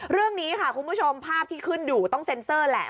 เรื่องนี้ค่ะคุณผู้ชมภาพที่ขึ้นอยู่ต้องเซ็นเซอร์แหละ